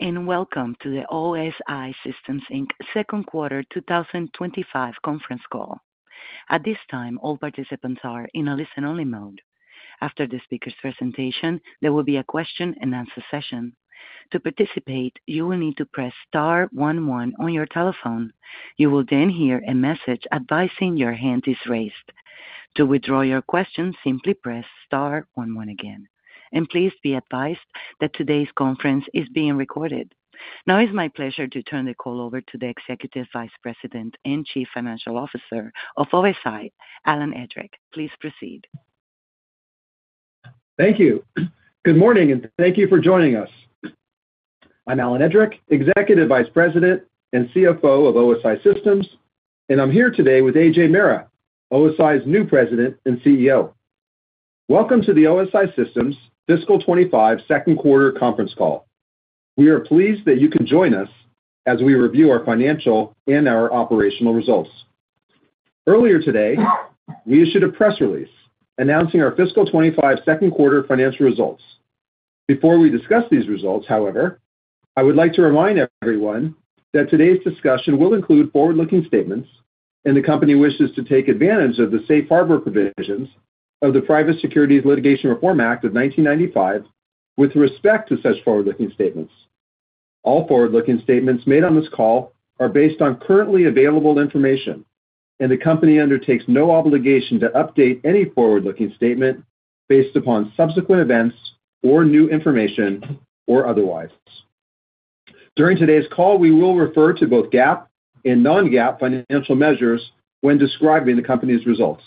Welcome to the OSI Systems, Inc. Second Quarter 2025 conference call. At this time, all participants are in a listen-only mode. After the speaker's presentation, there will be a question-and-answer session. To participate, you will need to press Star 11 on your telephone. You will then hear a message advising your hand is raised. To withdraw your question, simply press Star 11 again. Please be advised that today's conference is being recorded. Now, it's my pleasure to turn the call over to the Executive Vice President and Chief Financial Officer of OSI, Alan Edrick. Please proceed. Thank you. Good morning, and thank you for joining us. I'm Alan Edrick, Executive Vice President and CFO of OSI Systems, and I'm here today with Ajay Mehra, OSI's new President and CEO. Welcome to the OSI Systems Fiscal 25 Second Quarter conference call. We are pleased that you can join us as we review our financial and our operational results. Earlier today, we issued a press release announcing our Fiscal 25 Second Quarter financial results. Before we discuss these results, however, I would like to remind everyone that today's discussion will include forward-looking statements, and the company wishes to take advantage of the safe harbor provisions of the Private Securities Litigation Reform Act of 1995 with respect to such forward-looking statements. All forward-looking statements made on this call are based on currently available information, and the company undertakes no obligation to update any forward-looking statement based upon subsequent events or new information or otherwise. During today's call, we will refer to both GAAP and non-GAAP financial measures when describing the company's results.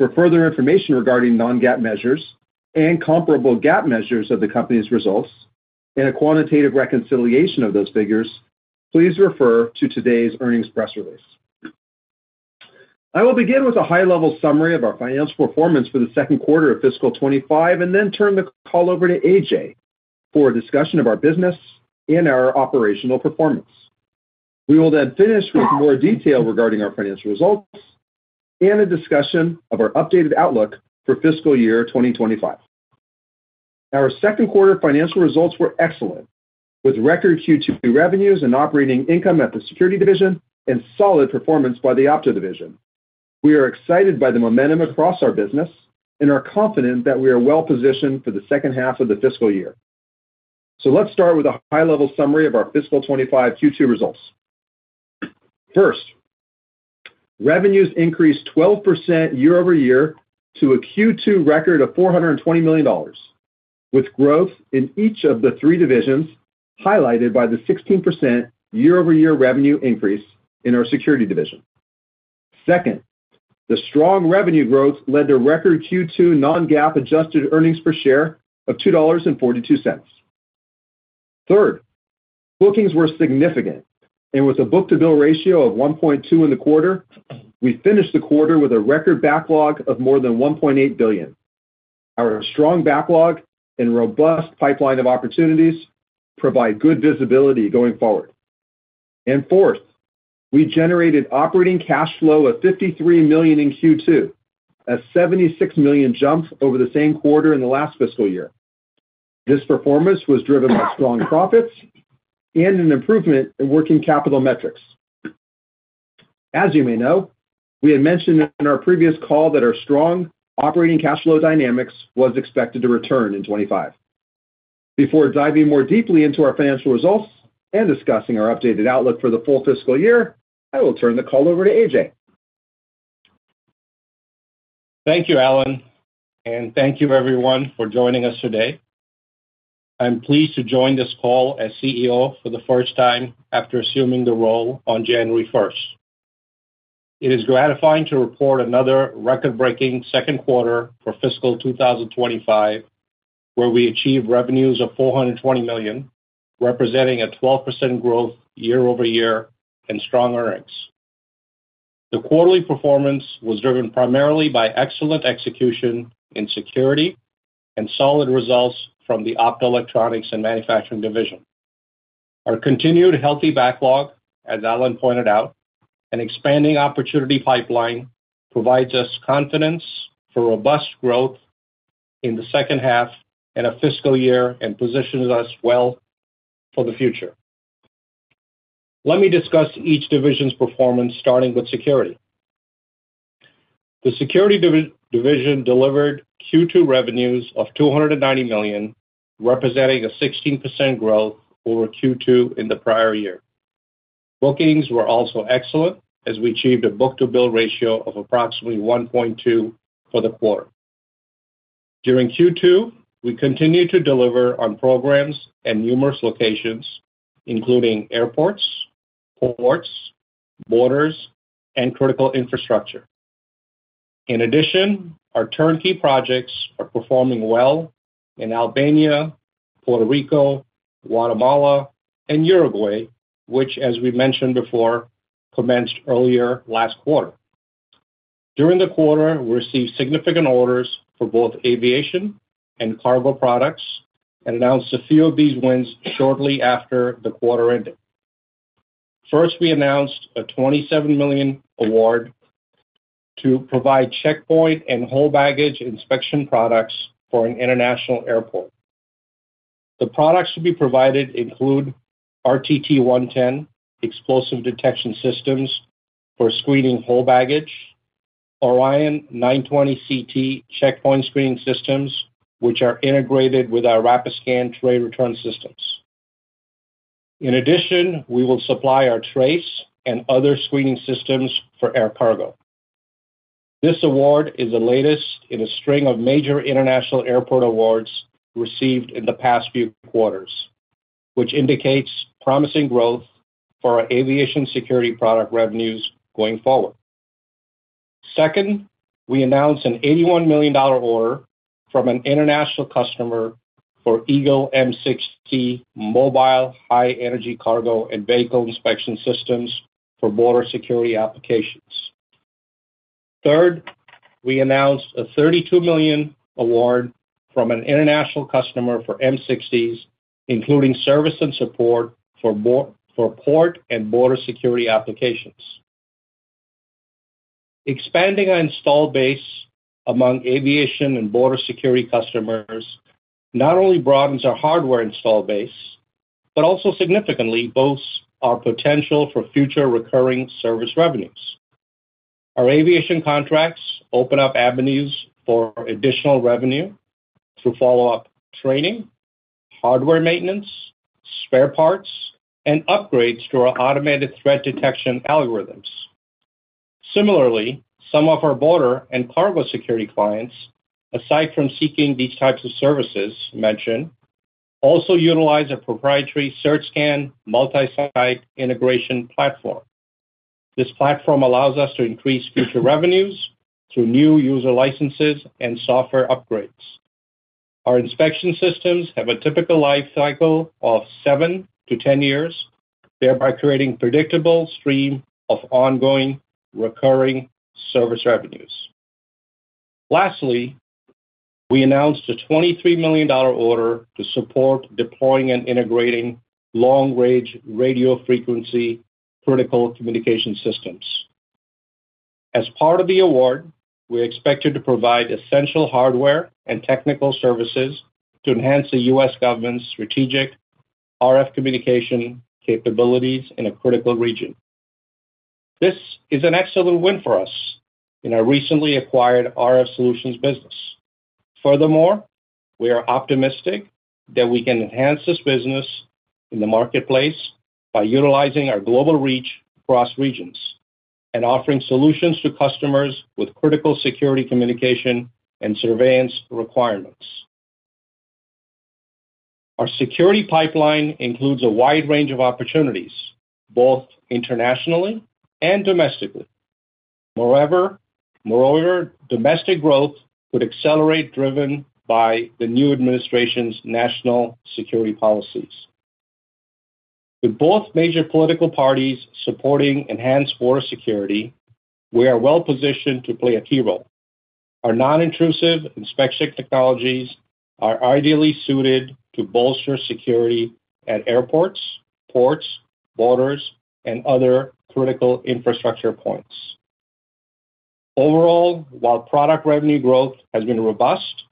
For further information regarding non-GAAP measures and comparable GAAP measures of the company's results and a quantitative reconciliation of those figures, please refer to today's earnings press release. I will begin with a high-level summary of our financial performance for the second quarter of Fiscal 2025 and then turn the call over to Ajay for a discussion of our business and our operational performance. We will then finish with more detail regarding our financial results and a discussion of our updated outlook for fiscal year 2025. Our second quarter financial results were excellent, with record Q2 revenues and operating income at the security division and solid performance by the opto division. We are excited by the momentum across our business and are confident that we are well-positioned for the second half of the fiscal year. So let's start with a high-level summary of our Fiscal 2025 Q2 results. First, revenues increased 12% year over year to a Q2 record of $420 million, with growth in each of the three divisions highlighted by the 16% year-over-year revenue increase in our security division. Second, the strong revenue growth led to record Q2 non-GAAP adjusted earnings per share of $2.42. Third, bookings were significant, and with a book-to-bill ratio of 1.2 in the quarter, we finished the quarter with a record backlog of more than $1.8 billion. Our strong backlog and robust pipeline of opportunities provide good visibility going forward, and fourth, we generated operating cash flow of $53 million in Q2, a $76 million jump over the same quarter in the last fiscal year. This performance was driven by strong profits and an improvement in working capital metrics. As you may know, we had mentioned in our previous call that our strong operating cash flow dynamics was expected to return in 2025. Before diving more deeply into our financial results and discussing our updated outlook for the full fiscal year, I will turn the call over to Ajay. Thank you, Alan, and thank you, everyone, for joining us today. I'm pleased to join this call as CEO for the first time after assuming the role on January 1st. It is gratifying to report another record-breaking second quarter for fiscal 2025, where we achieved revenues of $420 million, representing a 12% growth year-over-year and strong earnings. The quarterly performance was driven primarily by excellent execution in security and solid results from the optoelectronics and manufacturing division. Our continued healthy backlog, as Alan pointed out, and expanding opportunity pipeline provide us confidence for robust growth in the second half and of fiscal year and position us well for the future. Let me discuss each division's performance, starting with security. The security division delivered Q2 revenues of $290 million, representing a 16% growth over Q2 in the prior year. Bookings were also excellent, as we achieved a book-to-bill ratio of approximately 1.2 for the quarter. During Q2, we continued to deliver on programs at numerous locations, including airports, ports, borders, and critical infrastructure. In addition, our turnkey projects are performing well in Albania, Puerto Rico, Guatemala, and Uruguay, which, as we mentioned before, commenced earlier last quarter. During the quarter, we received significant orders for both aviation and cargo products and announced a few of these wins shortly after the quarter ended. First, we announced a $27 million award to provide checkpoint and hold baggage inspection products for an international airport. The products to be provided include RTT 110 explosive detection systems for screening hold baggage, Orion 920 CT checkpoint screening systems, which are integrated with our Rapiscan tray return systems. In addition, we will supply our Trace and other screening systems for air cargo. This award is the latest in a string of major international airport awards received in the past few quarters, which indicates promising growth for our aviation security product revenues going forward. Second, we announced an $81 million order from an international customer for Eagle M60 mobile high-energy cargo and vehicle inspection systems for border security applications. Third, we announced a $32 million award from an international customer for M60s, including service and support for port and border security applications. Expanding our install base among aviation and border security customers not only broadens our hardware install base, but also significantly boosts our potential for future recurring service revenues. Our aviation contracts open up avenues for additional revenue through follow-up training, hardware maintenance, spare parts, and upgrades to our automated threat detection algorithms. Similarly, some of our border and cargo security clients, aside from seeking these types of services mentioned, also utilize a proprietary CertScan multi-site integration platform. This platform allows us to increase future revenues through new user licenses and software upgrades. Our inspection systems have a typical life cycle of 7-10 years, thereby creating a predictable stream of ongoing recurring service revenues. Lastly, we announced a $23 million order to support deploying and integrating long-range radio frequency critical communication systems. As part of the award, we are expected to provide essential hardware and technical services to enhance the U.S. government's strategic RF communication capabilities in a critical region. This is an excellent win for us in our recently acquired RF solutions business. Furthermore, we are optimistic that we can enhance this business in the marketplace by utilizing our global reach across regions and offering solutions to customers with critical security communication and surveillance requirements. Our security pipeline includes a wide range of opportunities, both internationally and domestically. Moreover, domestic growth could accelerate driven by the new administration's national security policies. With both major political parties supporting enhanced border security, we are well-positioned to play a key role. Our non-intrusive inspection technologies are ideally suited to bolster security at airports, ports, borders, and other critical infrastructure points. Overall, while product revenue growth has been robust,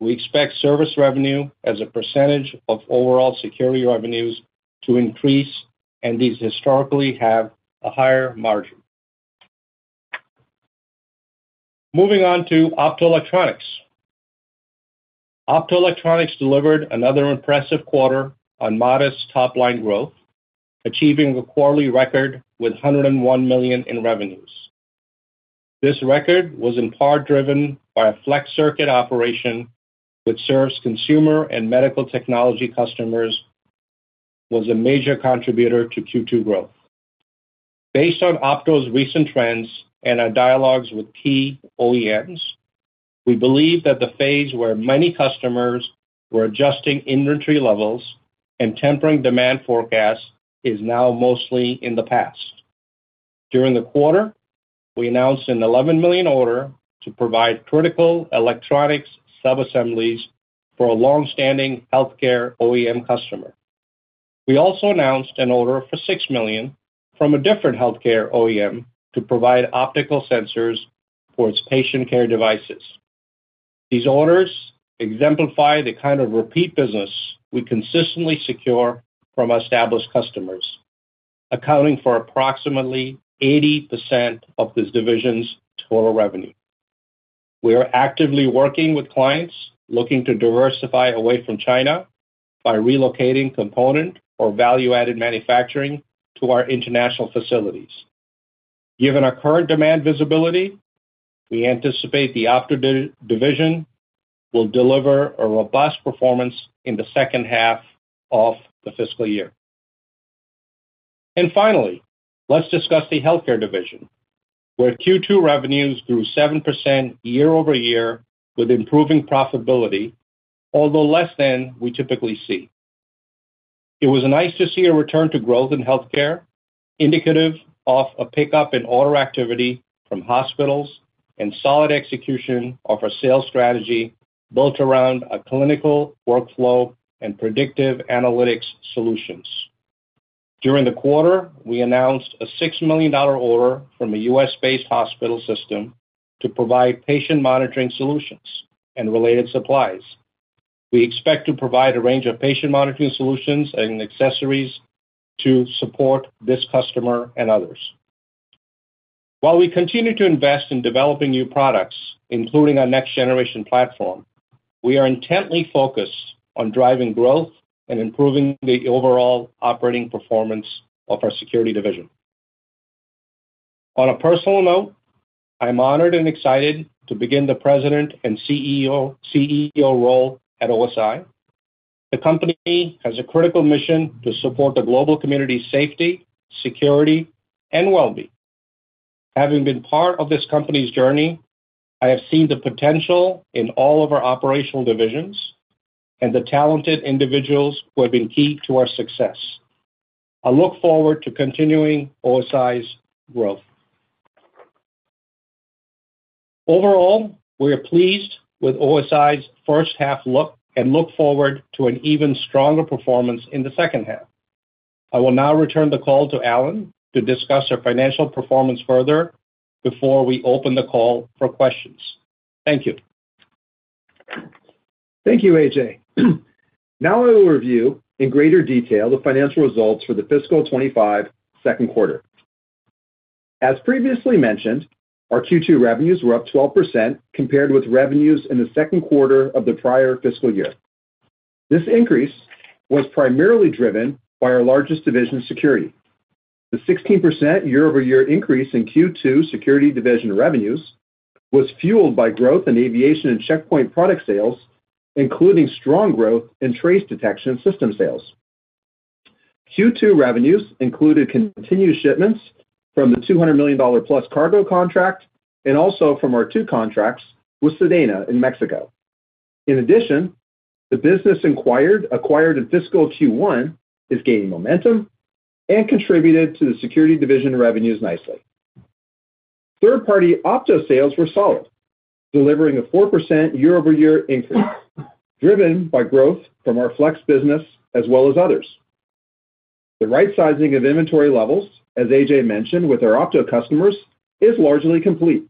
we expect service revenue as a percentage of overall security revenues to increase, and these historically have a higher margin. Moving on to optoelectronics, optoelectronics delivered another impressive quarter on modest top-line growth, achieving a quarterly record with $101 million in revenues. This record was in part driven by a flex circuit operation, which serves consumer and medical technology customers, was a major contributor to Q2 growth. Based on opto's recent trends and our dialogues with key OEMs, we believe that the phase where many customers were adjusting inventory levels and tempering demand forecasts is now mostly in the past. During the quarter, we announced an $11 million order to provide critical electronics sub-assemblies for a longstanding healthcare OEM customer. We also announced an order for $6 million from a different healthcare OEM to provide optical sensors for its patient care devices. These orders exemplify the kind of repeat business we consistently secure from established customers, accounting for approximately 80% of this division's total revenue. We are actively working with clients looking to diversify away from China by relocating component or value-added manufacturing to our international facilities. Given our current demand visibility, we anticipate the opto division will deliver a robust performance in the second half of the fiscal year, and finally, let's discuss the Healthcare division, where Q2 revenues grew 7% year-over-year with improving profitability, although less than we typically see. It was nice to see a return to growth in healthcare, indicative of a pickup in order activity from hospitals and solid execution of our sales strategy built around a clinical workflow and predictive analytics solutions. During the quarter, we announced a $6 million order from a U.S.-based hospital system to provide patient monitoring solutions and related supplies. We expect to provide a range of patient monitoring solutions and accessories to support this customer and others. While we continue to invest in developing new products, including our next-generation platform, we are intently focused on driving growth and improving the overall operating performance of our security division. On a personal note, I'm honored and excited to begin the President and CEO role at OSI. The company has a critical mission to support the global community's safety, security, and well-being. Having been part of this company's journey, I have seen the potential in all of our operational divisions and the talented individuals who have been key to our success. I look forward to continuing OSI's growth. Overall, we are pleased with OSI's first-half look and look forward to an even stronger performance in the second half. I will now return the call to Alan to discuss our financial performance further before we open the call for questions. Thank you. Thank you, Ajay. Now I will review in greater detail the financial results for the fiscal 2025 second quarter. As previously mentioned, our Q2 revenues were up 12% compared with revenues in the second quarter of the prior fiscal year. This increase was primarily driven by our largest division's security. The 16% year-over-year increase in Q2 security division revenues was fueled by growth in aviation and checkpoint product sales, including strong growth in trace detection system sales. Q2 revenues included continued shipments from the $200 million plus cargo contract and also from our two contracts with SEDENA in Mexico. In addition, the business acquired in fiscal Q1 is gaining momentum and contributed to the security division revenues nicely. Third-party opto sales were solid, delivering a 4% year-over-year increase driven by growth from our flex business as well as others. The right-sizing of inventory levels, as Ajay mentioned with our opto customers, is largely complete,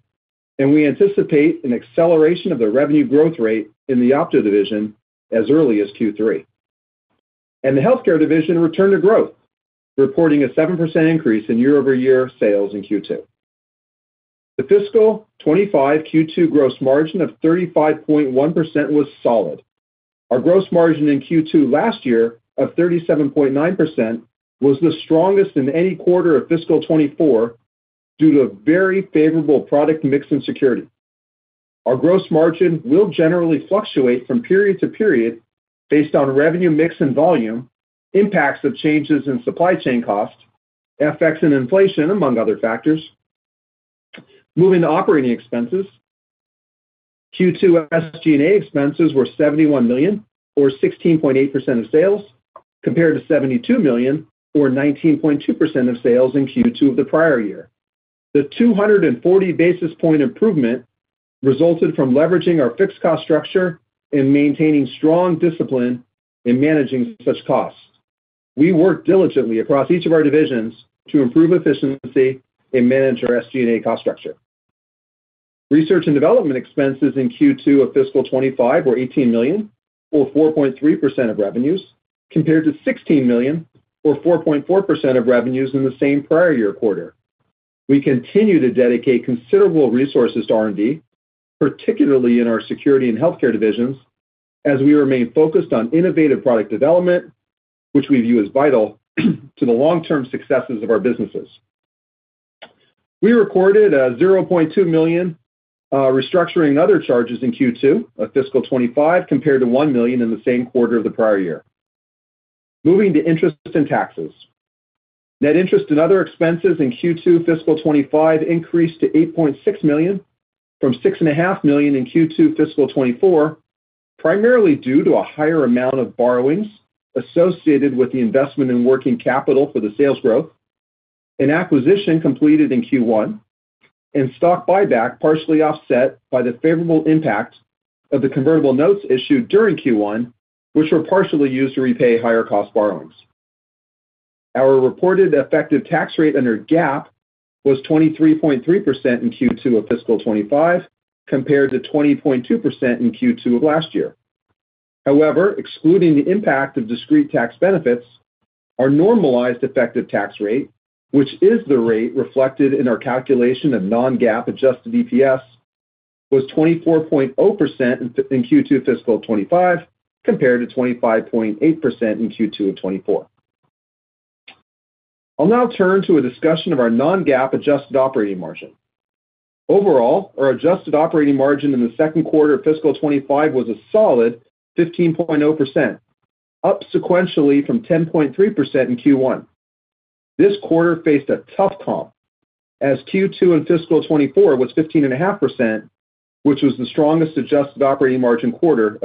and we anticipate an acceleration of the revenue growth rate in the opto division as early as Q3. The healthcare division returned to growth, reporting a seven% increase in year-over-year sales in Q2. The fiscal 2025 Q2 gross margin of 35.1% was solid. Our gross margin in Q2 last year of 37.9% was the strongest in any quarter of fiscal 2024 due to very favorable product mix and security. Our gross margin will generally fluctuate from period to period based on revenue mix and volume, impacts of changes in supply chain cost, effects in inflation, among other factors. Moving to operating expenses, Q2 SG&A expenses were $71 million, or 16.8% of sales, compared to $72 million, or 19.2% of sales in Q2 of the prior year. The 240 basis points improvement resulted from leveraging our fixed cost structure and maintaining strong discipline in managing such costs. We worked diligently across each of our divisions to improve efficiency and manage our SG&A cost structure. Research and development expenses in Q2 of fiscal 2025 were $18 million, or 4.3% of revenues, compared to $16 million, or 4.4% of revenues in the same prior year quarter. We continue to dedicate considerable resources to R&D, particularly in our security and healthcare divisions, as we remain focused on innovative product development, which we view as vital to the long-term successes of our businesses. We recorded a $0.2 million restructuring and other charges in Q2 of fiscal 2025 compared to $1 million in the same quarter of the prior year. Moving to interest and taxes, net interest and other expenses in Q2 fiscal 2025 increased to $8.6 million from $6.5 million in Q2 fiscal 2024, primarily due to a higher amount of borrowings associated with the investment in working capital for the sales growth, an acquisition completed in Q1, and stock buyback partially offset by the favorable impact of the convertible notes issued during Q1, which were partially used to repay higher-cost borrowings. Our reported effective tax rate under GAAP was 23.3% in Q2 of fiscal 2025 compared to 20.2% in Q2 of last year. However, excluding the impact of discrete tax benefits, our normalized effective tax rate, which is the rate reflected in our calculation of non-GAAP adjusted EPS, was 24.0% in Q2 fiscal 2025 compared to 25.8% in Q2 of 2024. I'll now turn to a discussion of our non-GAAP adjusted operating margin. Overall, our adjusted operating margin in the second quarter of fiscal 2025 was a solid 15.0%, up sequentially from 10.3% in Q1. This quarter faced a tough comp, as Q2 in fiscal 2024 was 15.5%, which was the strongest adjusted operating margin quarter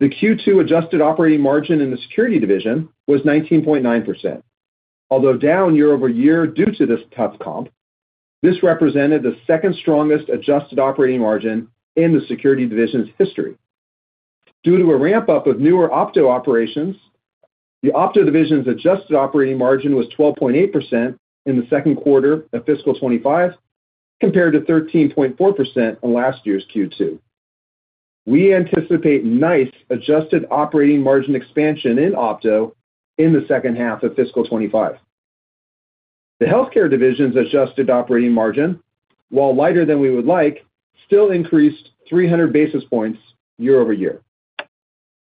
of FY 2024. The Q2 adjusted operating margin in the security division was 19.9%. Although down year-over-year due to this tough comp, this represented the second strongest adjusted operating margin in the security division's history. Due to a ramp-up of newer opto operations, the opto division's adjusted operating margin was 12.8% in the second quarter of fiscal 2025 compared to 13.4% in last year's Q2. We anticipate nice adjusted operating margin expansion in opto in the second half of fiscal 2025. The healthcare division's adjusted operating margin, while lighter than we would like, still increased 300 basis points year-over-year.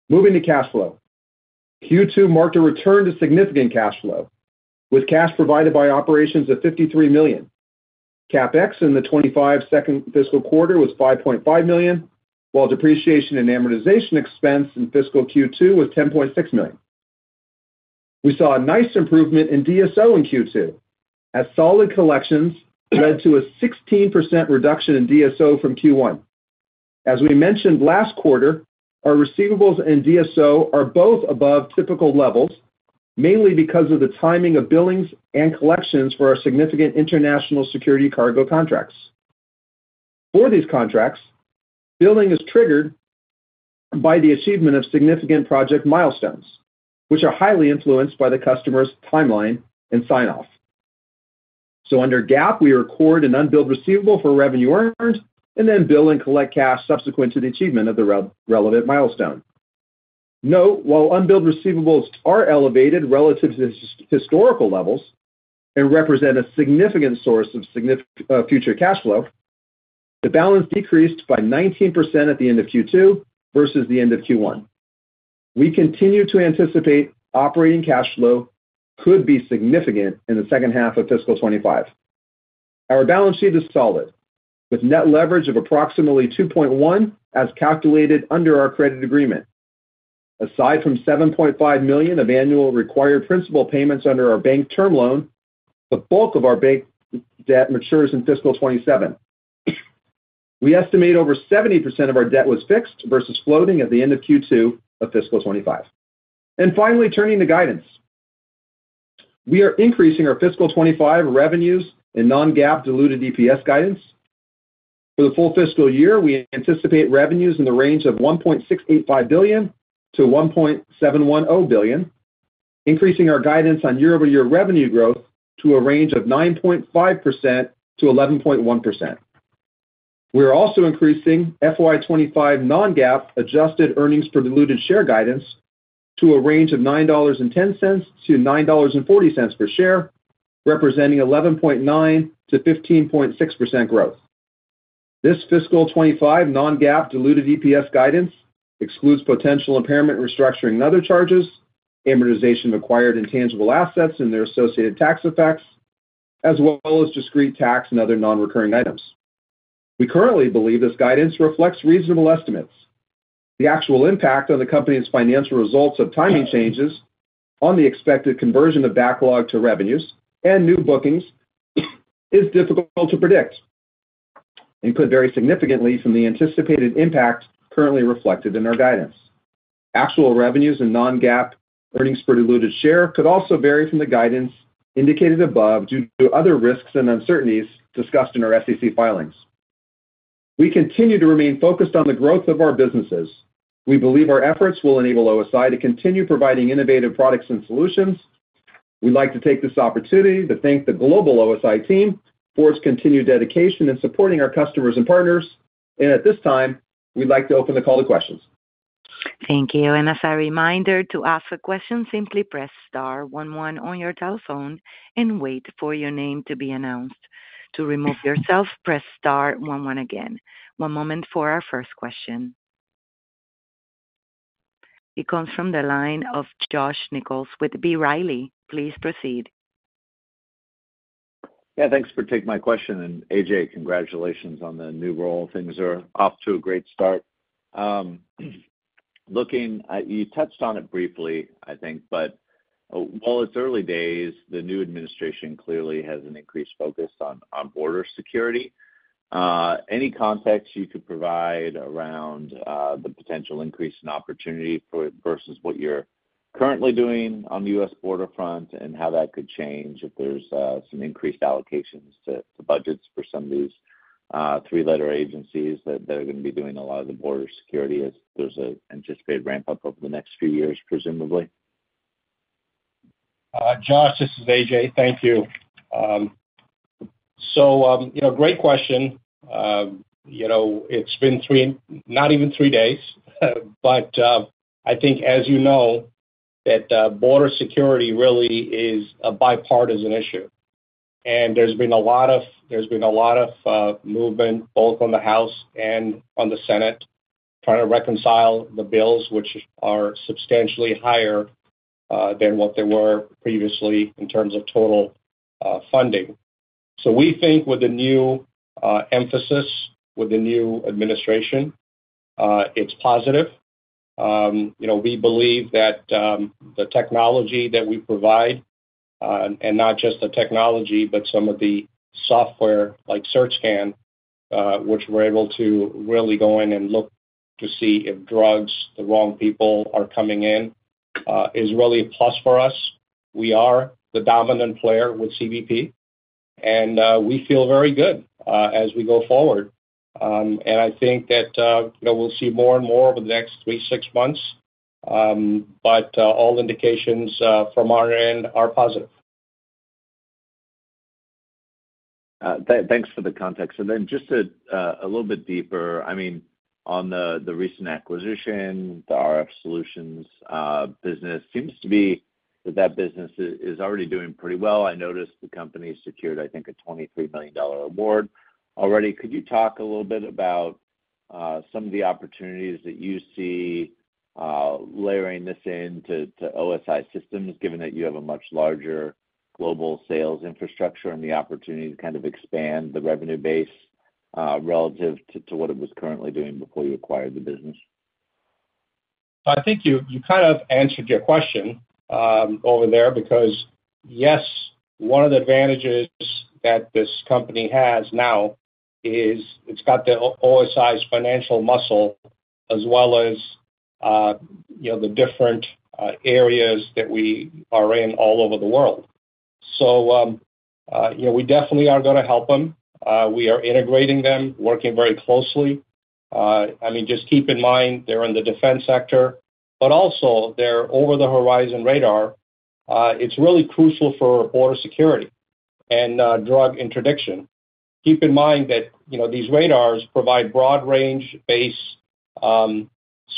Moving to cash flow, Q2 marked a return to significant cash flow, with cash provided by operations of $53 million. CapEx in the '25 second fiscal quarter was $5.5 million, while depreciation and amortization expense in fiscal Q2 was $10.6 million. We saw a nice improvement in DSO in Q2, as solid collections led to a 16% reduction in DSO from Q1. As we mentioned last quarter, our receivables and DSO are both above typical levels, mainly because of the timing of billings and collections for our significant international security cargo contracts. For these contracts, billing is triggered by the achievement of significant project milestones, which are highly influenced by the customer's timeline and sign-off. So under GAAP, we record an unbilled receivable for revenue earned and then bill and collect cash subsequent to the achievement of the relevant milestone. Note, while unbilled receivables are elevated relative to historical levels and represent a significant source of future cash flow, the balance decreased by 19% at the end of Q2 versus the end of Q1. We continue to anticipate operating cash flow could be significant in the second half of fiscal 2025. Our balance sheet is solid, with net leverage of approximately 2.1 as calculated under our credit agreement. Aside from $7.5 million of annual required principal payments under our bank term loan, the bulk of our bank debt matures in fiscal 2027. We estimate over 70% of our debt was fixed versus floating at the end of Q2 of fiscal 2025. And finally, turning to guidance, we are increasing our fiscal 2025 revenues in non-GAAP diluted EPS guidance. For the full fiscal year, we anticipate revenues in the range of $1.685 billion-$1.710 billion, increasing our guidance on year-over-year revenue growth to a range of 9.5%-11.1%. We are also increasing FY '25 non-GAAP adjusted earnings per diluted share guidance to a range of $9.10-$9.40 per share, representing 11.9%-15.6% growth. This fiscal '25 non-GAAP diluted EPS guidance excludes potential impairment, restructuring, and other charges, amortization of acquired intangible assets and their associated tax effects, as well as discrete tax and other non-recurring items. We currently believe this guidance reflects reasonable estimates. The actual impact on the company's financial results of timing changes on the expected conversion of backlog to revenues and new bookings is difficult to predict and could vary significantly from the anticipated impact currently reflected in our guidance. Actual revenues and non-GAAP earnings per diluted share could also vary from the guidance indicated above due to other risks and uncertainties discussed in our SEC filings. We continue to remain focused on the growth of our businesses. We believe our efforts will enable OSI to continue providing innovative products and solutions. We'd like to take this opportunity to thank the global OSI team for its continued dedication in supporting our customers and partners, and at this time, we'd like to open the call to questions. Thank you. And as a reminder, to ask a question, simply press Star one one on your telephone and wait for your name to be announced. To remove yourself, press Star one one again. One moment for our first question. It comes from the line of Josh Nichols with B. Riley. Please proceed. Yeah, thanks for taking my question. And Ajay, congratulations on the new role. Things are off to a great start. Looking at, you touched on it briefly, I think, but while it's early days, the new administration clearly has an increased focus on border security. Any context you could provide around the potential increase in opportunity versus what you're currently doing on the U.S. border front and how that could change if there's some increased allocations to budgets for some of these three-letter agencies that are going to be doing a lot of the border security as there's an anticipated ramp-up over the next few years, presumably? Josh, this is Ajay. Thank you. So great question. It's been not even three days, but I think, as you know, that border security really is a bipartisan issue. And there's been a lot of movement both on the House and on the Senate trying to reconcile the bills, which are substantially higher than what they were previously in terms of total funding. So we think with the new emphasis, with the new administration, it's positive. We believe that the technology that we provide, and not just the technology, but some of the software like CertScan, which we're able to really go in and look to see if drugs, the wrong people are coming in, is really a plus for us. We are the dominant player with CBP, and we feel very good as we go forward. I think that we'll see more and more over the next three, six months, but all indications from our end are positive. Thanks for the context. And then just a little bit deeper, I mean, on the recent acquisition, the RF Solutions business. It seems to be that the business is already doing pretty well. I noticed the company secured, I think, a $23 million award already. Could you talk a little bit about some of the opportunities that you see layering this into OSI Systems, given that you have a much larger global sales infrastructure and the opportunity to kind of expand the revenue base relative to what it was currently doing before you acquired the business? So I think you kind of answered your question over there because, yes, one of the advantages that this company has now is it's got the OSI's financial muscle as well as the different areas that we are in all over the world. So we definitely are going to help them. We are integrating them, working very closely. I mean, just keep in mind they're in the defense sector, but also they're over-the-horizon radar. It's really crucial for border security and drug interdiction. Keep in mind that these radars provide broad-range base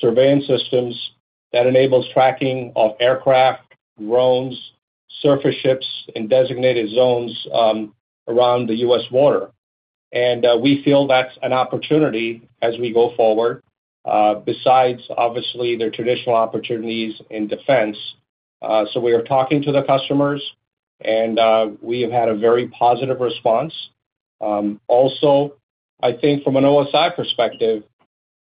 surveillance systems that enable tracking of aircraft, drones, surface ships in designated zones around the U.S. border. And we feel that's an opportunity as we go forward, besides, obviously, their traditional opportunities in defense. So we are talking to the customers, and we have had a very positive response. Also, I think from an OSI perspective,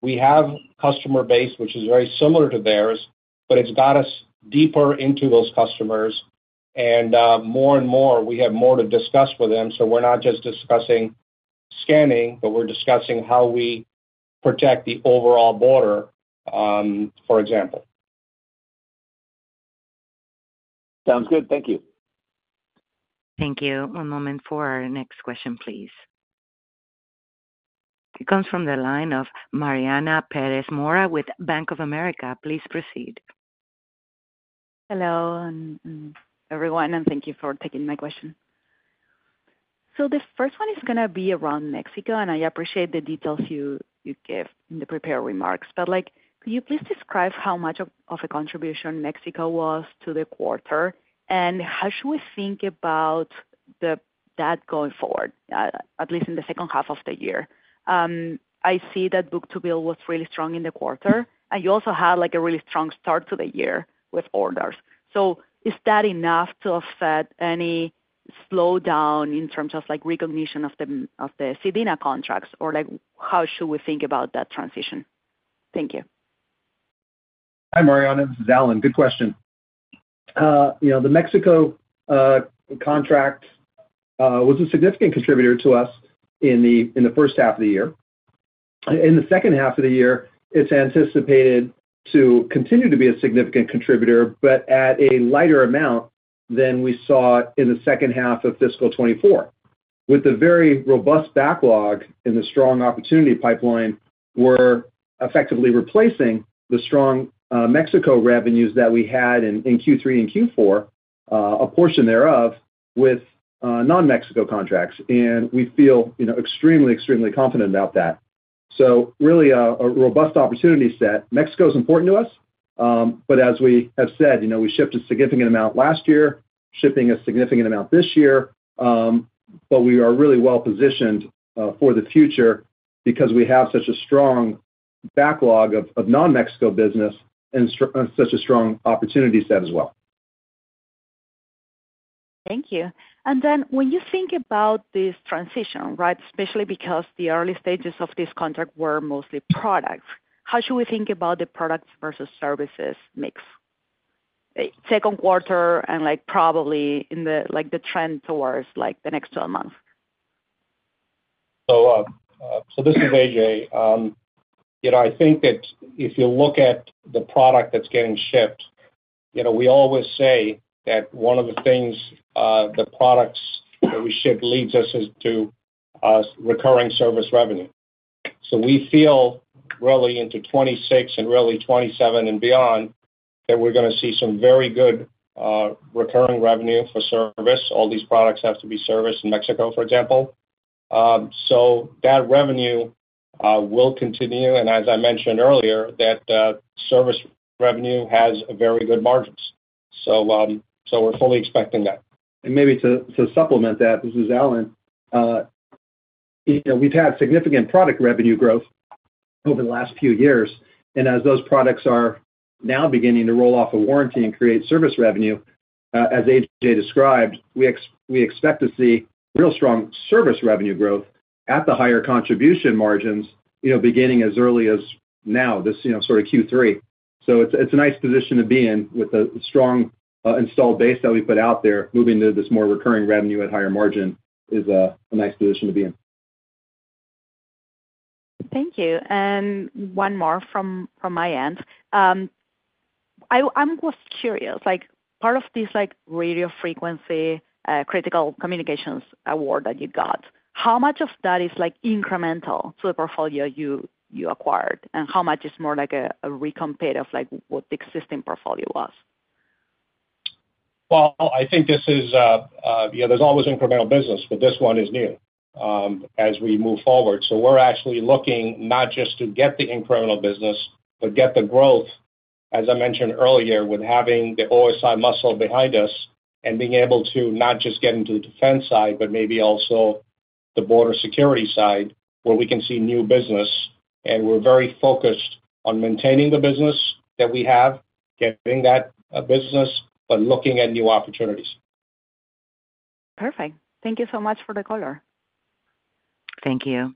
we have a customer base which is very similar to theirs, but it's got us deeper into those customers. And more and more, we have more to discuss with them. So we're not just discussing scanning, but we're discussing how we protect the overall border, for example. Sounds good. Thank you. Thank you. One moment for our next question, please. It comes from the line of Mariana Perez Mora with Bank of America. Please proceed. Hello, everyone, and thank you for taking my question. So the first one is going to be around Mexico, and I appreciate the details you gave in the prepared remarks. But could you please describe how much of a contribution Mexico was to the quarter and how should we think about that going forward, at least in the second half of the year? I see that book-to-bill was really strong in the quarter, and you also had a really strong start to the year with orders. So is that enough to offset any slowdown in terms of recognition of the SEDENA contracts, or how should we think about that transition? Thank you. Hi, Mariana. This is Alan. Good question. The Mexico contract was a significant contributor to us in the first half of the year. In the second half of the year, it's anticipated to continue to be a significant contributor, but at a lighter amount than we saw in the second half of fiscal 2024. With the very robust backlog and the strong opportunity pipeline, we're effectively replacing the strong Mexico revenues that we had in Q3 and Q4, a portion thereof, with non-Mexico contracts. And we feel extremely, extremely confident about that. So really a robust opportunity set. Mexico is important to us, but as we have said, we shipped a significant amount last year, shipping a significant amount this year, but we are really well positioned for the future because we have such a strong backlog of non-Mexico business and such a strong opportunity set as well. Thank you. And then when you think about this transition, right, especially because the early stages of this contract were mostly products, how should we think about the products versus services mix, second quarter and probably in the trend towards the next 12 months? So this is Ajay. I think that if you look at the product that's getting shipped, we always say that one of the things the products that we ship leads us to recurring service revenue. So we feel really into 2026 and really 2027 and beyond that we're going to see some very good recurring revenue for service. All these products have to be serviced in Mexico, for example. So that revenue will continue. And as I mentioned earlier, that service revenue has very good margins. So we're fully expecting that. Maybe to supplement that, this is Alan. We've had significant product revenue growth over the last few years. As those products are now beginning to roll off a warranty and create service revenue, as Ajay described, we expect to see real strong service revenue growth at the higher contribution margins beginning as early as now, this sort of Q3. It's a nice position to be in with the strong installed base that we put out there, moving to this more recurring revenue at higher margin is a nice position to be in. Thank you. And one more from my end. I'm just curious, part of this radio frequency critical communications award that you got, how much of that is incremental to the portfolio you acquired, and how much is more like a recompete of what the existing portfolio was? I think this is, there's always incremental business, but this one is new as we move forward. We're actually looking not just to get the incremental business, but get the growth, as I mentioned earlier, with having the OSI muscle behind us and being able to not just get into the defense side, but maybe also the border security side where we can see new business. We're very focused on maintaining the business that we have, getting that business, but looking at new opportunities. Perfect. Thank you so much for the caller. Thank you.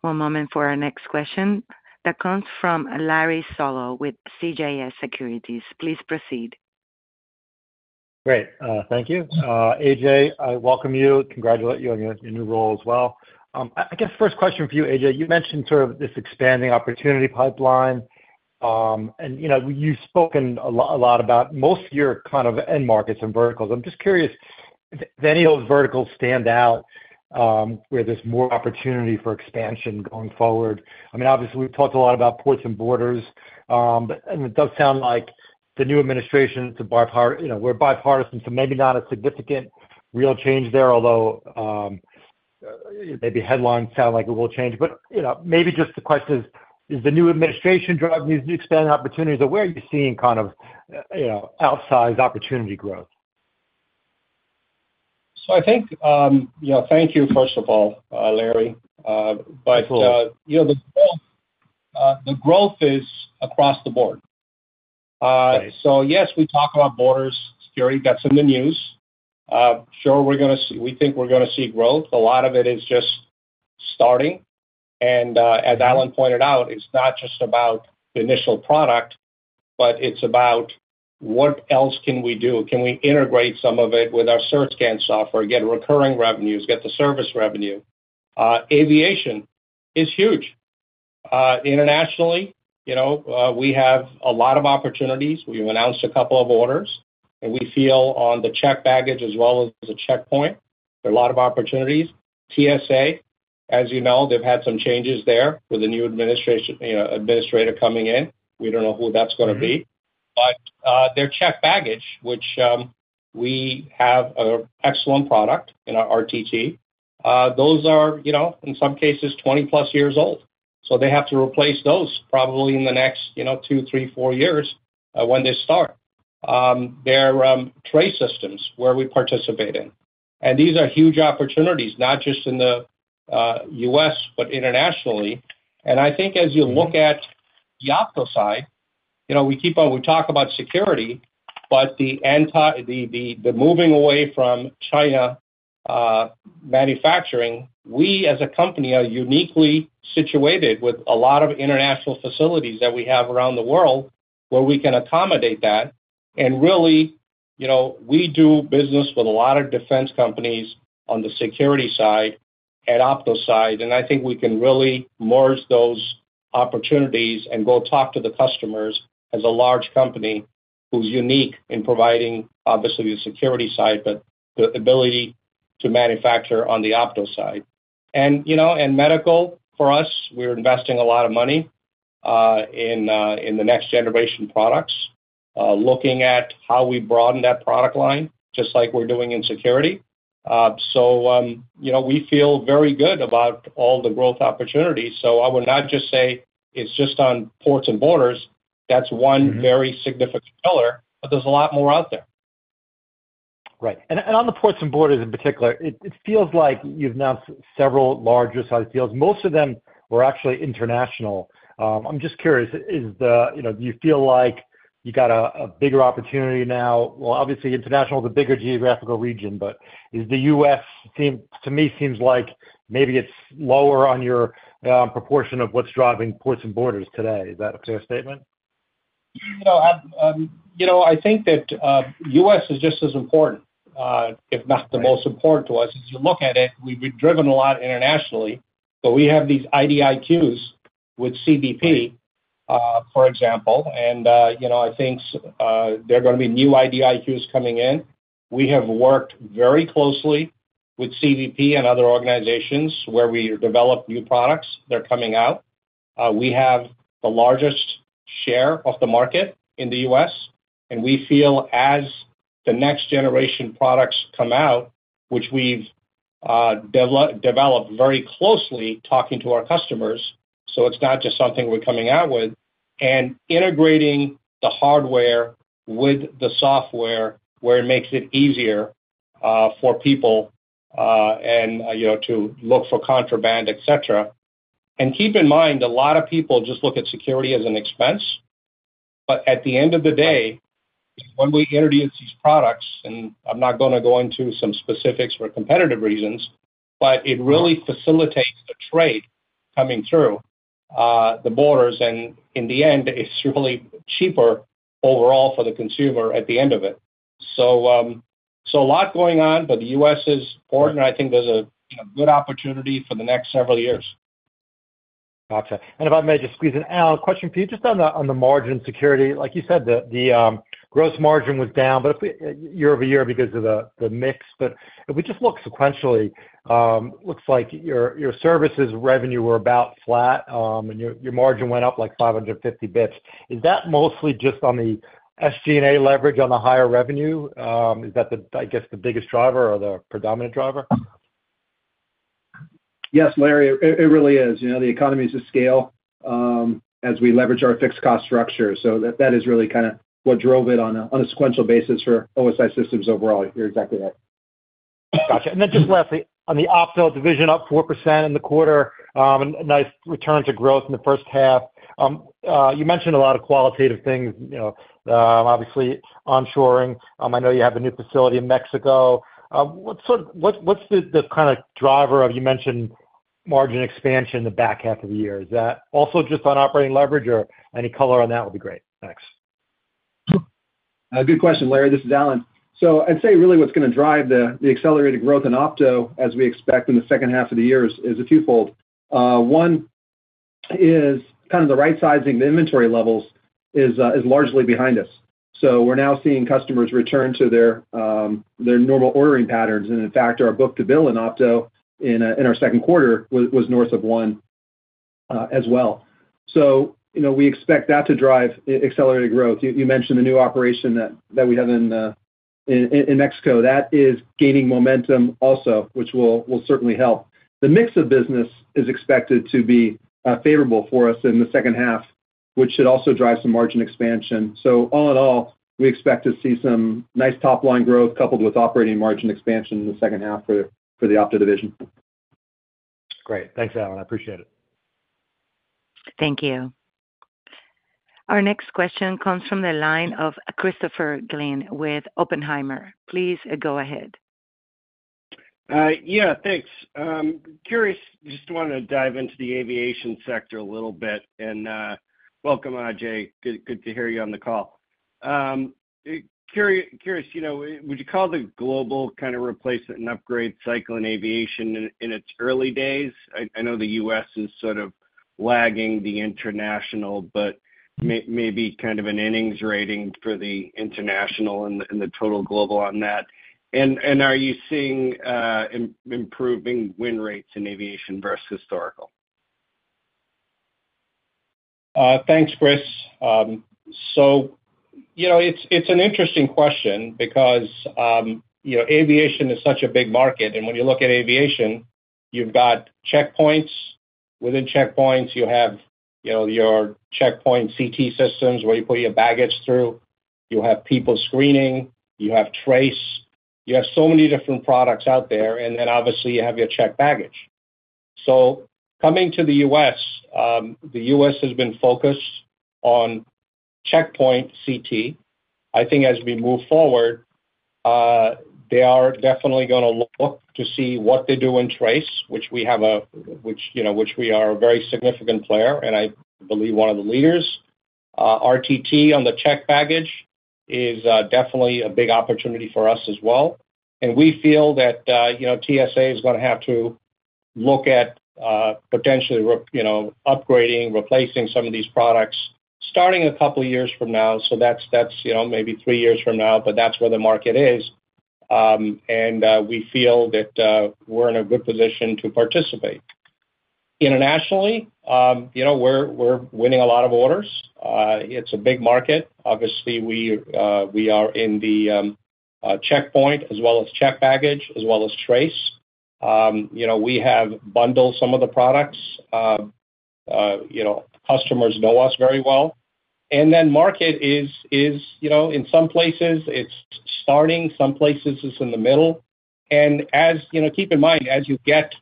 One moment for our next question that comes from Larry Solow with CJS Securities. Please proceed. Great. Thank you. Ajay, I welcome you. Congratulate you on your new role as well. I guess first question for you, Ajay, you mentioned sort of this expanding opportunity pipeline. And you've spoken a lot about most of your kind of end markets and verticals. I'm just curious if any of those verticals stand out where there's more opportunity for expansion going forward. I mean, obviously, we've talked a lot about ports and borders, and it does sound like the new administration too, bipartisan. We're bipartisan, so maybe not a significant real change there, although maybe headlines sound like it will change. But maybe just the question is, is the new administration driving these expanding opportunities, or where are you seeing kind of outsized opportunity growth? So, I think, thank you first of all, Larry. But the growth is across the board. Yes, we talk about borders, security; that's in the news. Sure, we're going to see, we think we're going to see growth. A lot of it is just starting. And as Alan pointed out, it's not just about the initial product, but it's about what else can we do? Can we integrate some of it with our CertScan software, get recurring revenues, get the service revenue? Aviation is huge. Internationally, we have a lot of opportunities. We've announced a couple of orders, and we feel on the checked baggage as well as the checkpoint, there are a lot of opportunities. TSA, as you know, they've had some changes there with the new administrator coming in. We don't know who that's going to be. But their checked baggage, which we have an excellent product in our RTT, those are in some cases 20+ years old. So they have to replace those probably in the next two, three, four years when they start. They're tray systems where we participate in. And these are huge opportunities, not just in the U.S., but internationally. And I think as you look at the opto side, we keep on, we talk about security, but the moving away from China manufacturing, we as a company are uniquely situated with a lot of international facilities that we have around the world where we can accommodate that. And really, we do business with a lot of defense companies on the security side and opto side. And I think we can really merge those opportunities and go talk to the customers as a large company who's unique in providing, obviously, the security side, but the ability to manufacture on the opto side. And medical, for us, we're investing a lot of money in the next generation products, looking at how we broaden that product line, just like we're doing in security. So we feel very good about all the growth opportunities. So I would not just say it's just on ports and borders. That's one very significant pillar, but there's a lot more out there. Right. And on the ports and borders in particular, it feels like you've announced several larger-sized deals. Most of them were actually international. I'm just curious, do you feel like you got a bigger opportunity now? Well, obviously, international is a bigger geographical region, but the U.S., to me, seems like maybe it's lower on your proportion of what's driving ports and borders today. Is that a fair statement? I think that U.S. is just as important, if not the most important to us. As you look at it, we've been driven a lot internationally, but we have these IDIQs with CBP, for example, and I think there are going to be new IDIQs coming in. We have worked very closely with CBP and other organizations where we develop new products. They're coming out. We have the largest share of the market in the U.S., and we feel as the next generation products come out, which we've developed very closely, talking to our customers, so it's not just something we're coming out with, and integrating the hardware with the software where it makes it easier for people to look for contraband, etc. Keep in mind, a lot of people just look at security as an expense. But at the end of the day, when we introduce these products, and I'm not going to go into some specifics for competitive reasons, but it really facilitates the trade coming through the borders. And in the end, it's really cheaper overall for the consumer at the end of it. So a lot going on, but the U.S. is important, and I think there's a good opportunity for the next several years. Gotcha. And if I may just squeeze in, Alan, a question for you just on the margin security. Like you said, the gross margin was down year over year because of the mix. But if we just look sequentially, it looks like your services revenue were about flat, and your margin went up like 550 basis points. Is that mostly just on the SG&A leverage on the higher revenue? Is that, I guess, the biggest driver or the predominant driver? Yes, Larry, it really is. The economies of scale as we leverage our fixed cost structure. So that is really kind of what drove it on a sequential basis for OSI Systems overall. You're exactly right. Gotcha. And then just lastly, on the Optoelectronics division, up 4% in the quarter, a nice return to growth in the first half. You mentioned a lot of qualitative things, obviously onshoring. I know you have a new facility in Mexico. What's the kind of driver of, you mentioned, margin expansion in the back half of the year? Is that also just on operating leverage, or any color on that would be great next? Good question, Larry. This is Alan. So I'd say really what's going to drive the accelerated growth in opto, as we expect in the second half of the year, is a few fold. One is kind of the right-sizing, the inventory levels is largely behind us. So we're now seeing customers return to their normal ordering patterns. And in fact, our book-to-bill in opto in our second quarter was north of one as well. So we expect that to drive accelerated growth. You mentioned the new operation that we have in Mexico. That is gaining momentum also, which will certainly help. The mix of business is expected to be favorable for us in the second half, which should also drive some margin expansion. So all in all, we expect to see some nice top-line growth coupled with operating margin expansion in the second half for the opto division. Great. Thanks, Alan. I appreciate it. Thank you. Our next question comes from the line of Christopher Glynn with Oppenheimer. Please go ahead. Yeah, thanks. Curious, just wanted to dive into the aviation sector a little bit, and welcome, Ajay. Good to hear you on the call. Curious, would you call the global kind of replacement and upgrade cycle in aviation in its early days? I know the U.S. is sort of lagging the international, but maybe kind of an innings rating for the international and the total global on that, and are you seeing improving win rates in aviation versus historical? Thanks, Chris. It's an interesting question because aviation is such a big market. When you look at aviation, you've got checkpoints. Within checkpoints, you have your checkpoint CT systems where you put your baggage through. You have people screening. You have trace. You have so many different products out there. Then obviously, you have your checked baggage. Coming to the U.S., the U.S. has been focused on checkpoint CT. I think as we move forward, they are definitely going to look to see what they do in trace, which we are a very significant player and I believe one of the leaders. RTT on the checked baggage is definitely a big opportunity for us as well. We feel that TSA is going to have to look at potentially upgrading, replacing some of these products starting a couple of years from now. So that's maybe three years from now, but that's where the market is. And we feel that we're in a good position to participate. Internationally, we're winning a lot of orders. It's a big market. Obviously, we are in the checkpoint as well as check baggage as well as trace. We have bundled some of the products. Customers know us very well. And then market is, in some places, it's starting. Some places it's in the middle. And keep in mind, as you get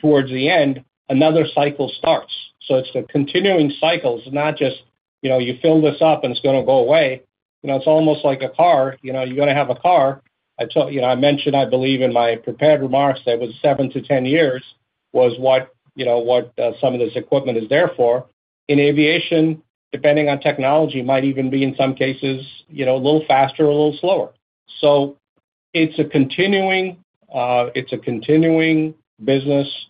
towards the end, another cycle starts. So it's the continuing cycles. It's not just you fill this up and it's going to go away. It's almost like a car. You're going to have a car. I mentioned, I believe in my prepared remarks, that was 7-10 years was what some of this equipment is there for. In aviation, depending on technology, might even be in some cases a little faster or a little slower. So it's a continuing business.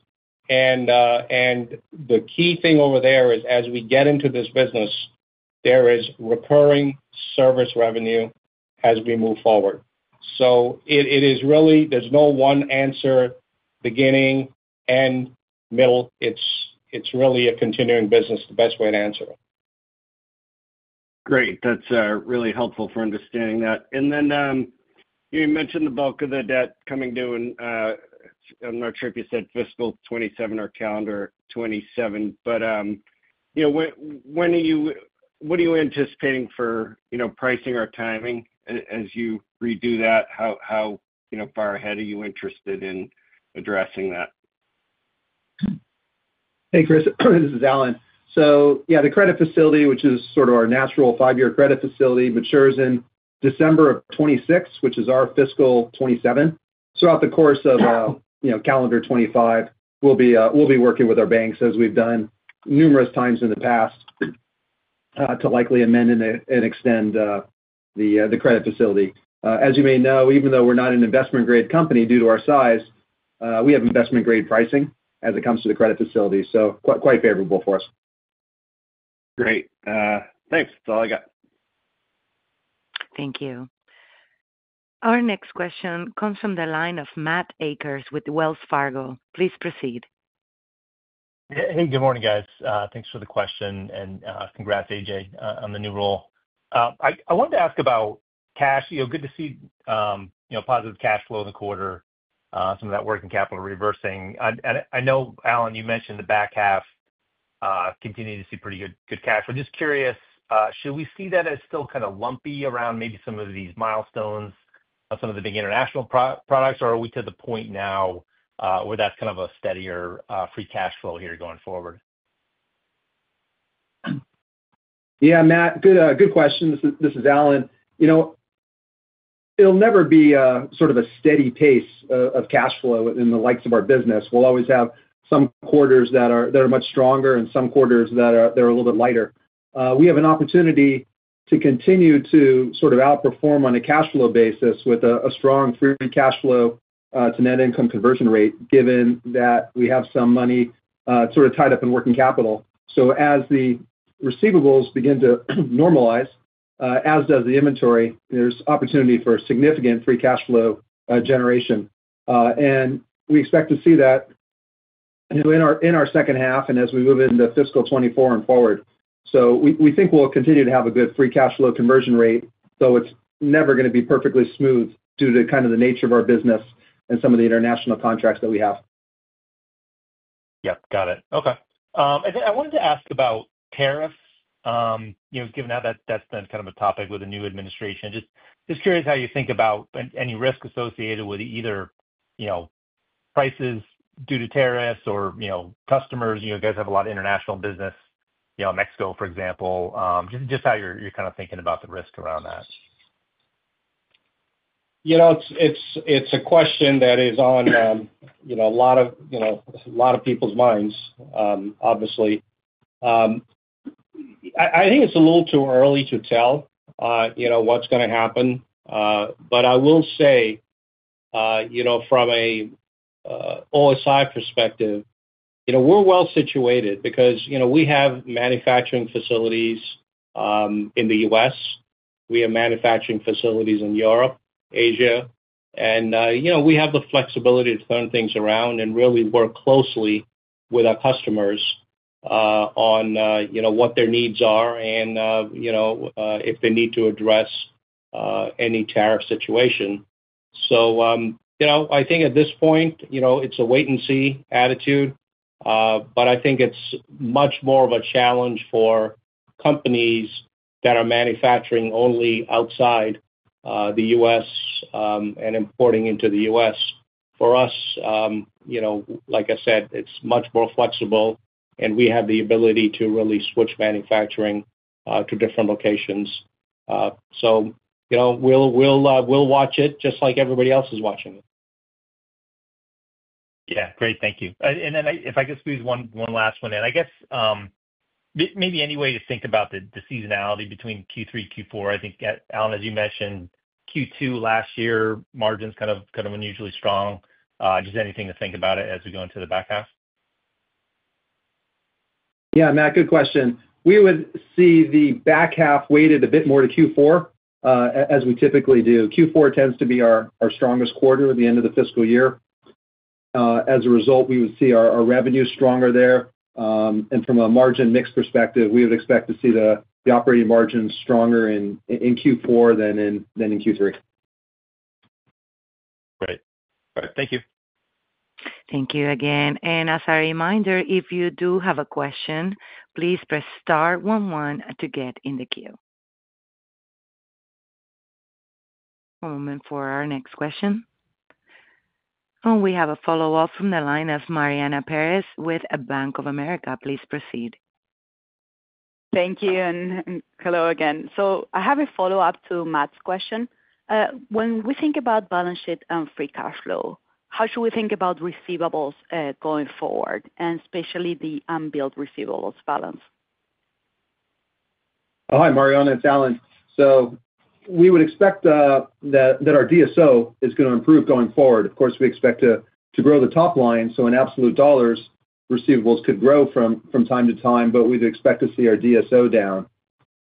And the key thing over there is as we get into this business, there is recurring service revenue as we move forward. So it is really, there's no one answer beginning and middle. It's really a continuing business, the best way to answer it. Great. That's really helpful for understanding that. And then you mentioned the bulk of the debt coming due. I'm not sure if you said fiscal 2027 or calendar 2027, but when are you, what are you anticipating for pricing or timing as you redo that? How far ahead are you interested in addressing that? Hey, Chris. This is Alan. So yeah, the credit facility, which is sort of our natural five-year credit facility, matures in December of 2026, which is our fiscal 2027. So throughout the course of calendar 2025, we'll be working with our banks as we've done numerous times in the past to likely amend and extend the credit facility. As you may know, even though we're not an investment-grade company due to our size, we have investment-grade pricing as it comes to the credit facility. So quite favorable for us. Great. Thanks. That's all I got. Thank you. Our next question comes from the line of Matt Akers with Wells Fargo. Please proceed. Hey, good morning, guys. Thanks for the question. And congrats, AJ, on the new role. I wanted to ask about cash. Good to see positive cash flow in the quarter, some of that working capital reversing. I know, Alan, you mentioned the back half continuing to see pretty good cash flow. Just curious, should we see that as still kind of lumpy around maybe some of these milestones of some of the big international products, or are we to the point now where that's kind of a steadier free cash flow here going forward? Yeah, Matt, good question. This is Alan. It'll never be sort of a steady pace of cash flow in the likes of our business. We'll always have some quarters that are much stronger and some quarters that are a little bit lighter. We have an opportunity to continue to sort of outperform on a cash flow basis with a strong free cash flow to net income conversion rate, given that we have some money sort of tied up in working capital. So as the receivables begin to normalize, as does the inventory, there's opportunity for significant free cash flow generation. And we expect to see that in our second half and as we move into fiscal 2024 and forward. So we think we'll continue to have a good free cash flow conversion rate, though it's never going to be perfectly smooth due to kind of the nature of our business and some of the international contracts that we have. Yep. Got it. Okay. And then I wanted to ask about tariffs, given that that's been kind of a topic with the new administration. Just curious how you think about any risk associated with either prices due to tariffs or customers. You guys have a lot of international business in Mexico, for example. Just how you're kind of thinking about the risk around that? It's a question that is on a lot of people's minds, obviously. I think it's a little too early to tell what's going to happen. But I will say from an OSI perspective, we're well situated because we have manufacturing facilities in the U.S. We have manufacturing facilities in Europe, Asia. And we have the flexibility to turn things around and really work closely with our customers on what their needs are and if they need to address any tariff situation. So I think at this point, it's a wait-and-see attitude. But I think it's much more of a challenge for companies that are manufacturing only outside the U.S. and importing into the U.S. For us, like I said, it's much more flexible, and we have the ability to really switch manufacturing to different locations. So we'll watch it just like everybody else is watching it. Yeah. Great. Thank you. And then if I could squeeze one last one in, I guess maybe any way to think about the seasonality between Q3, Q4. I think, Alan, as you mentioned, Q2 last year, margins kind of unusually strong. Just anything to think about it as we go into the back half? Yeah, Matt, good question. We would see the back half weighted a bit more to Q4 as we typically do. Q4 tends to be our strongest quarter at the end of the fiscal year. As a result, we would see our revenue stronger there, and from a margin mix perspective, we would expect to see the operating margin stronger in Q4 than in Q3. Great. All right. Thank you. Thank you again. And as a reminder, if you do have a question, please press Star one one to get in the queue. One moment for our next question. We have a follow-up from the line of Mariana Perez with Bank of America. Please proceed. Thank you. And hello again. So I have a follow-up to Matt's question. When we think about balance sheet and free cash flow, how should we think about receivables going forward, and especially the unbilled receivables balance? Hi, Mariana. It's Alan. So we would expect that our DSO is going to improve going forward. Of course, we expect to grow the top line. So in absolute dollars, receivables could grow from time to time, but we'd expect to see our DSO down.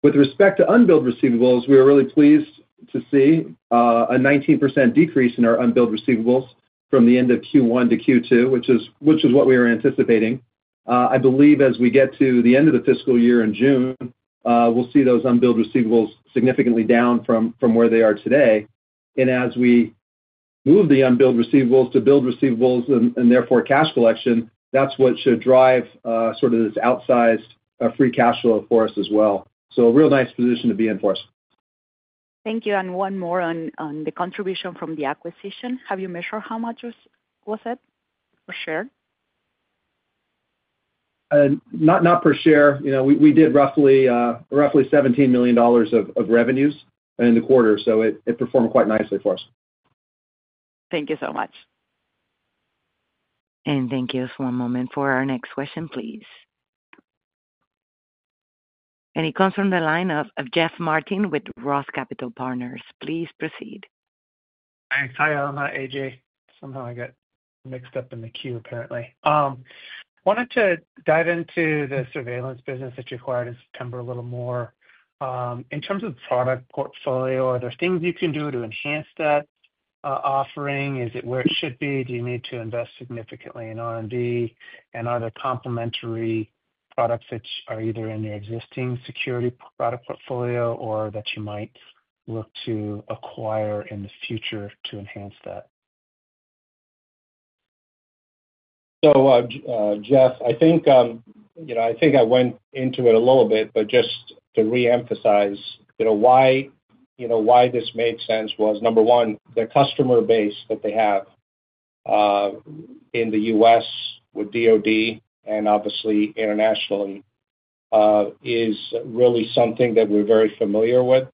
With respect to unbilled receivables, we are really pleased to see a 19% decrease in our unbilled receivables from the end of Q1 to Q2, which is what we were anticipating. I believe as we get to the end of the fiscal year in June, we'll see those unbilled receivables significantly down from where they are today. And as we move the unbilled receivables to billed receivables and therefore cash collection, that's what should drive sort of this outsized free cash flow for us as well. So a real nice position to be in for us. Thank you. And one more on the contribution from the acquisition. Have you measured how much was it per share? Not per share. We did roughly $17 million of revenues in the quarter, so it performed quite nicely for us. Thank you so much. Thank you for one moment for our next question, please. It comes from the line of Jeff Martin with Roth Capital Partners. Please proceed. Thanks. Hi, Alan. Hi, AJ. Somehow I got mixed up in the queue, apparently. Wanted to dive into the surveillance business that you acquired in September a little more. In terms of product portfolio, are there things you can do to enhance that offering? Is it where it should be? Do you need to invest significantly in R&D? And are there complementary products that are either in your existing security product portfolio or that you might look to acquire in the future to enhance that? So Jeff, I think I went into it a little bit, but just to reemphasize why this made sense was, number one, the customer base that they have in the U.S. with DOD and obviously internationally is really something that we're very familiar with.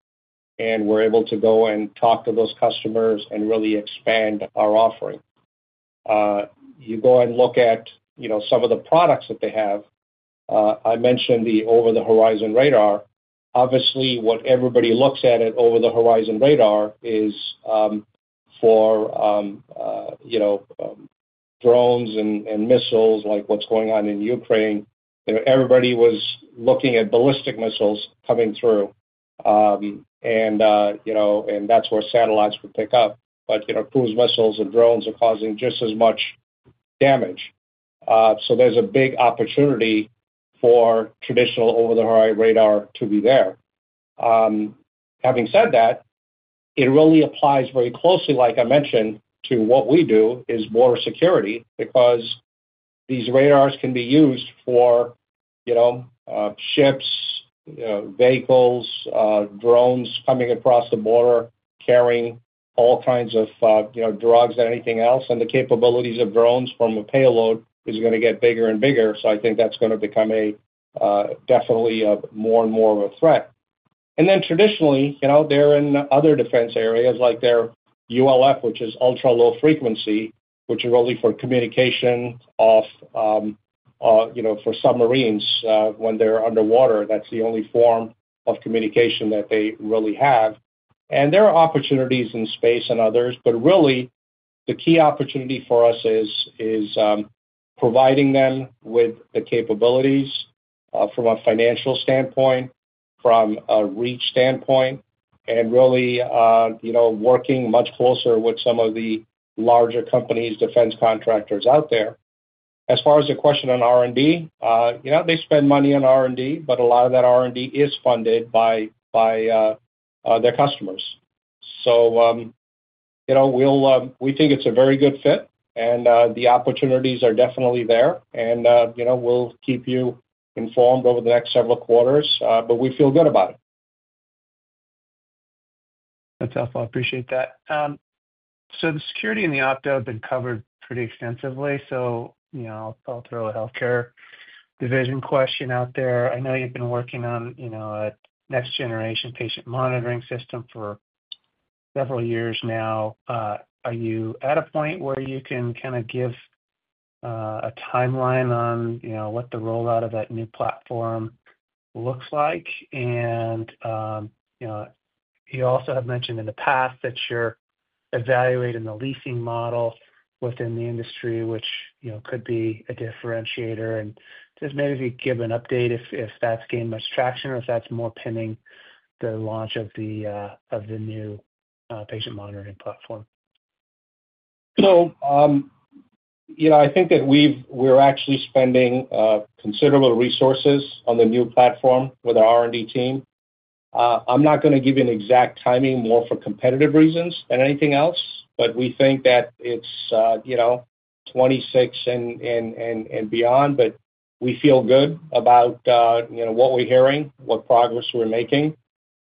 And we're able to go and talk to those customers and really expand our offering. You go and look at some of the products that they have. I mentioned the over-the-horizon radar. Obviously, what everybody looks at at over-the-horizon radar is for drones and missiles, like what's going on in Ukraine. Everybody was looking at ballistic missiles coming through. And that's where satellites would pick up. But cruise missiles and drones are causing just as much damage. So there's a big opportunity for traditional over-the-horizon radar to be there. Having said that, it really applies very closely, like I mentioned, to what we do is border security because these radars can be used for ships, vehicles, drones coming across the border, carrying all kinds of drugs and anything else, and the capabilities of drones from a payload is going to get bigger and bigger, so I think that's going to become definitely more and more of a threat, and then traditionally, they're in other defense areas like their ULF, which is ultra-low frequency, which is really for communication often for submarines when they're underwater. That's the only form of communication that they really have, and there are opportunities in space and others, but really, the key opportunity for us is providing them with the capabilities from a financial standpoint, from a reach standpoint, and really working much closer with some of the larger companies, defense contractors out there. As far as the question on R&D, they spend money on R&D, but a lot of that R&D is funded by their customers. So we think it's a very good fit, and the opportunities are definitely there, and we'll keep you informed over the next several quarters, but we feel good about it. That's helpful. I appreciate that. So the Security and the Optoelectronics have been covered pretty extensively. So I'll throw a Healthcare division question out there. I know you've been working on a next-generation patient monitoring system for several years now. Are you at a point where you can kind of give a timeline on what the rollout of that new platform looks like? And you also have mentioned in the past that you're evaluating the leasing model within the industry, which could be a differentiator. And just maybe give an update if that's gained much traction or if that's more pending the launch of the new patient monitoring platform. So I think that we're actually spending considerable resources on the new platform with our R&D team. I'm not going to give you an exact timing more for competitive reasons than anything else, but we think that it's 2026 and beyond. But we feel good about what we're hearing, what progress we're making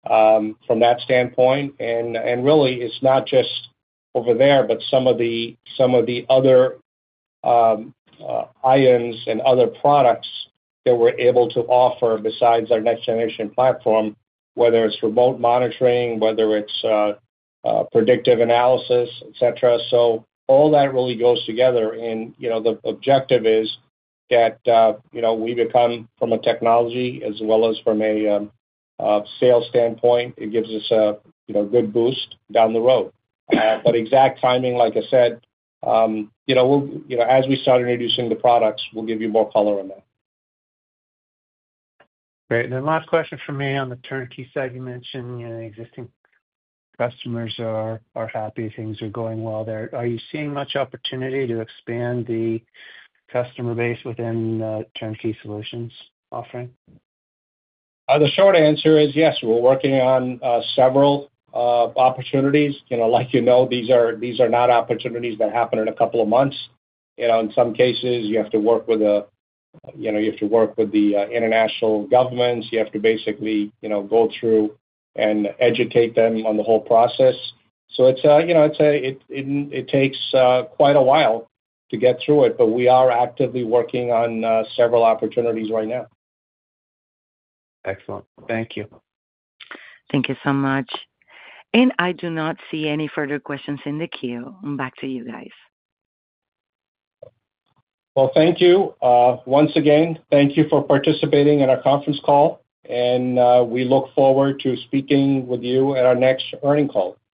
from that standpoint. And really, it's not just over there, but some of the other items and other products that we're able to offer besides our next-generation platform, whether it's remote monitoring, whether it's predictive analysis, etc. So all that really goes together. And the objective is that we become, from a technology as well as from a sales standpoint, it gives us a good boost down the road. But exact timing, like I said, as we start introducing the products, we'll give you more color on that. Great. And then last question from me on the turnkey side. You mentioned existing customers are happy. Things are going well there. Are you seeing much opportunity to expand the customer base within turnkey solutions offering? The short answer is yes. We're working on several opportunities. Like you know, these are not opportunities that happen in a couple of months. In some cases, you have to work with the international governments. You have to basically go through and educate them on the whole process. So it takes quite a while to get through it, but we are actively working on several opportunities right now. Excellent. Thank you. Thank you so much. And I do not see any further questions in the queue. Back to you guys. Thank you. Once again, thank you for participating in our conference call. We look forward to speaking with you at our next earnings call.